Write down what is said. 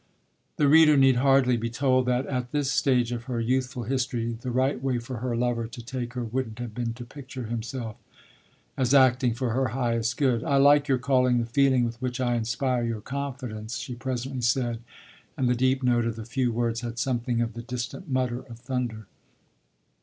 The reader need hardly be told that at this stage of her youthful history the right way for her lover to take her wouldn't have been to picture himself as acting for her highest good. "I like your calling the feeling with which I inspire you confidence," she presently said; and the deep note of the few words had something of the distant mutter of thunder.